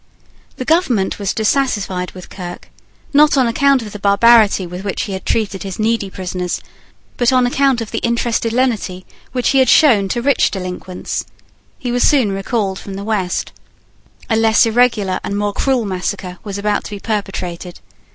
The government was dissatisfied with Kirke, not on account of the barbarity with which he had treated his needy prisoners, but on account of the interested lenity which he had shown to rich delinquents. He was soon recalled from the West. A less irregular and more cruel massacre was about to be perpetrated.